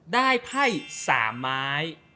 ได้ไพ่๓ไม้